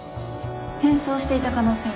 変装していた可能性は？